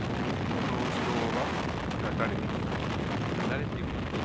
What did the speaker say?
その後ろは誰見に来たの？